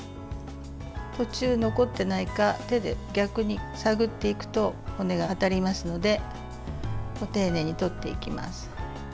途中残ってないか手で逆に探っていくと骨が当たりますので丁寧に取っていきます。